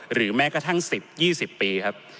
หรือแม้กระทั่ง๑๐๒๐ปีครับ